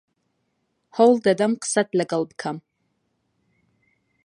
هەوڵ دەدەم قسەت لەگەڵ بکەم.